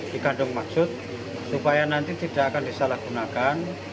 dikandung maksud supaya nanti tidak akan disalahgunakan